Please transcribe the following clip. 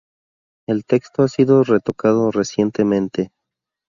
El texto ha sido retocado recientemente.